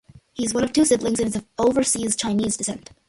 He is one of two siblings and is of Overseas Chinese descent.